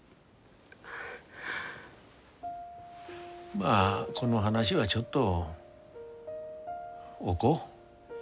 まあこの話はちょっと置こう。